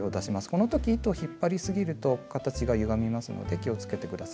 この時糸を引っ張りすぎると形がゆがみますので気をつけて下さい。